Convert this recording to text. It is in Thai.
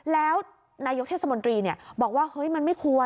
แล้วนายกเทศมนตรีบอกว่าเฮ้ยมันไม่ควร